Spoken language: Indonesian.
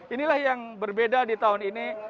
inilah yang berbeda di tahun ini